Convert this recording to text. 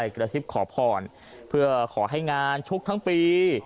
กระซิบขอพรเพื่อขอให้งานทุกทั้งปี